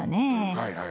はいはい。